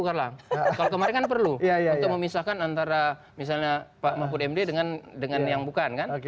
kalau kemarin kan perlu untuk memisahkan antara misalnya pak mahfud md dengan yang bukan kan